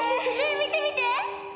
見て見て！